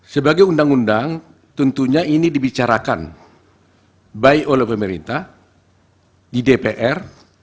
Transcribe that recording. sebagai undang undang tentunya ini dibicarakan baik oleh pemerintah di dpr